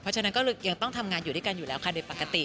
เพราะฉะนั้นก็ยังต้องทำงานอยู่ด้วยกันอยู่แล้วค่ะโดยปกติ